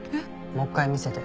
もう一回見せて。